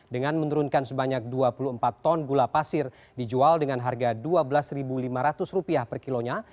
dengan menurunkan sebanyak dua puluh empat ton gula pasir dijual dengan harga rp dua belas lima ratus per kilonya